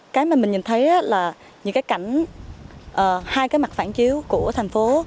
cái mà mình nhìn thấy là những cái cảnh hai cái mặt phản chiếu của thành phố